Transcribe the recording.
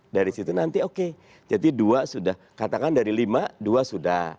dari situ nanti oke jadi dua sudah katakan dari lima dua sudah